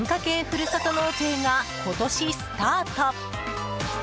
ふるさと納税が今年スタート。